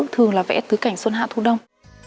thường là vẽ tứ cảnh xuân hạ thu đông